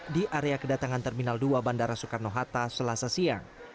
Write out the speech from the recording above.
di area kedatangan terminal dua bandara soekarno hatta selasa siang